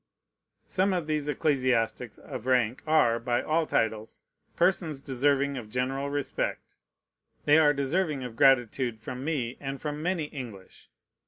Some of these ecclesiastics of rank are, by all titles, persons deserving of general respect. They are deserving of gratitude from me, and from many English.